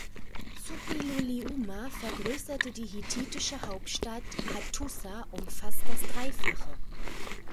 Šuppiluliuma vergrößerte die hethitische Hauptstadt Ḫattuša um fast das Dreifache.